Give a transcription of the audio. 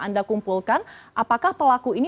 anda kumpulkan apakah pelaku ini